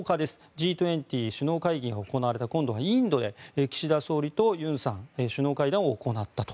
Ｇ２０首脳会議が行われたインドで今度は岸田総理と尹さんが首脳会談を行ったと。